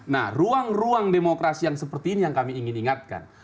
nah ruang ruang demokrasi yang seperti ini yang kami ingin ingatkan